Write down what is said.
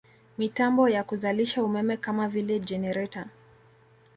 Mitambo ya kuzalisha umeme kama vile jenereta